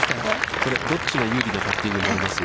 これ、どっちが有利なパッティングになります？